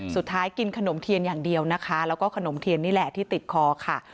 กินขนมเทียนอย่างเดียวนะคะแล้วก็ขนมเทียนนี่แหละที่ติดคอค่ะ